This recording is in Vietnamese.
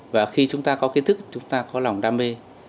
và khi chúng ta có kiến thức chúng ta có lòng đam mê